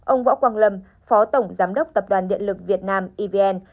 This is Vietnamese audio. ông võ quang lâm phó tổng giám đốc tập đoàn điện lực việt nam evn